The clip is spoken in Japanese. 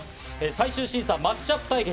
最終審査、マッチアップ対決。